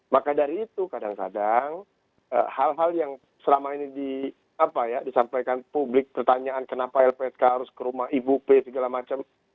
maka dari itu kadang kadang hal hal yang selama ini disampaikan publik pertanyaan kenapa lpsk harus ke rumah ibu p segala macam